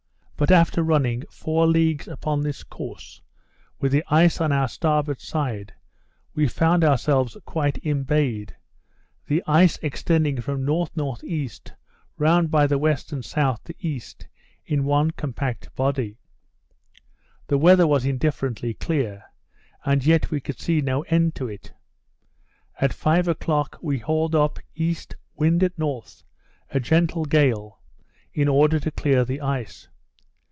But after running four leagues upon this course, with the ice on our starboard side, we found ourselves quite imbayed; the ice extending from N.N.E. round by the west and south, to east, in one compact body. The weather was indifferently clear; and yet we could see no end to it. At five o'clock we hauled up east, wind at north, a gentle gale, in order to clear the ice.